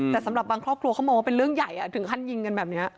แต่สำหรับบางครอบครัวเขามองว่าเป็นเรื่องใหญ่ถึงขั้นยิงกันแบบนี้